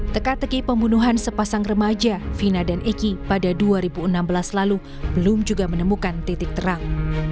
teka teki pembunuhan sepasang remaja vina dan eki pada dua ribu enam belas lalu belum juga menemukan titik terang